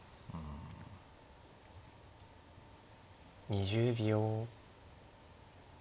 ２０秒。